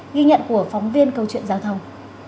ghi nhận của phóng viên câu chuyện giao thông